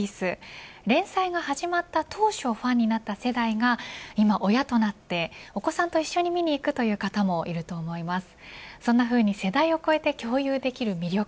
連載が始まった当初ファンになった世代が今、親となってお子さんと一緒に見に来るという方もいると思います。